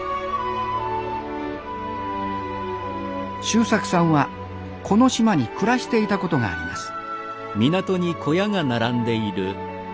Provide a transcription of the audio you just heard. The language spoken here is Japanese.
修策さんはこの島に暮らしていたことがあります。